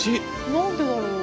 何でだろう？